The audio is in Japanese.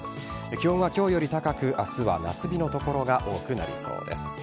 気温は今日より高く明日は夏日の所が多くなりそうです。